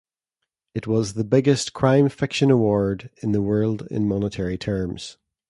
It was the biggest crime-fiction award in the world in monetary terms.